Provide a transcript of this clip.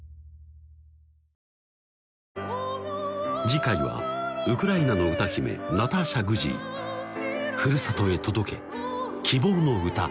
次回はウクライナの歌姫ナターシャ・グジーふるさとへ届け希望の歌